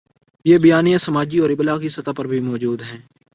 یہ بیانیے سماجی اور ابلاغی سطح پر بھی موجود ہیں۔